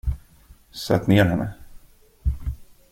Sätt ner henne!